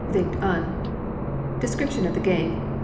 Vingt un. Description of the Game.